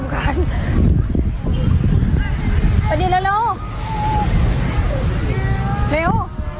ไม่เอารองเร็ว